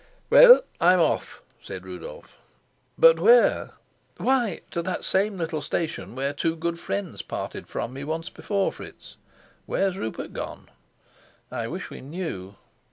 "Well, I'm off," said Rudolf. "But where?" "Why, to that same little station where two good friends parted from me once before. Fritz, where's Rupert gone?" "I wish we knew."